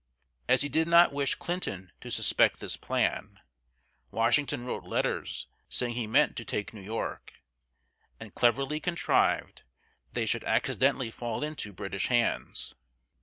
As he did not wish Clinton to suspect this plan, Washington wrote letters saying he meant to take New York, and cleverly contrived that they should accidentally fall into British hands.